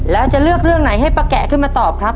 แล้วจะเลือกเรื่องไหนให้ป้าแกะขึ้นมาตอบครับ